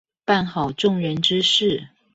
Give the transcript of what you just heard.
辦好眾人之事